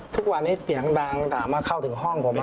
ทุกวันนี้เสียงดังด่ามาเข้าถึงห้องผม